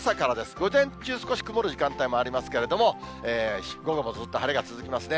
午前中少し曇る時間帯もありますけれども、午後もずっと晴れが続きますね。